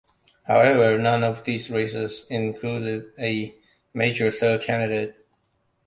However, none of these races included a major third candidate.